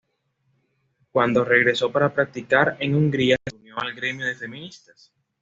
Cuando regresó para practicar en Hungría se unió al Gremio de Feministas.